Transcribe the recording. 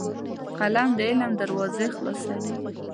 قلم د علم دروازې خلاصوي